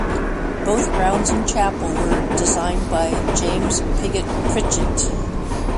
Both grounds and chapel were designed by James Pigott Pritchett.